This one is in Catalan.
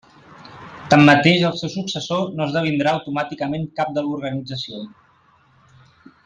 Tanmateix el seu successor no esdevindrà automàticament cap de l'organització.